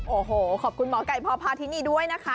โอ้โฮขอบคุณหมอกัยพอพาที่นี่ด้วยนะคะ